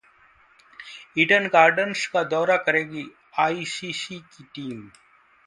Eden Gardens का दौरा करेगी आईसीसी की टीम